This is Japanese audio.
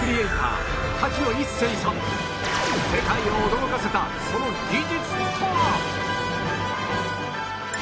世界を驚かせたその技術とは？